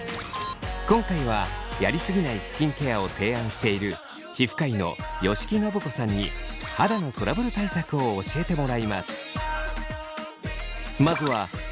今回はやりすぎないスキンケアを提案している皮膚科医の吉木伸子さんに肌のトラブル対策を教えてもらいます。